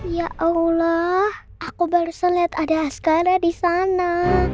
ya allah aku baru saja liat ada askara di sana